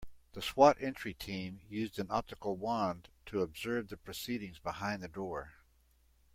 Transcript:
The S.W.A.T. entry team used an optical wand to observe the proceedings behind the door.